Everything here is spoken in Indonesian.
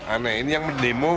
aneh ini yang demo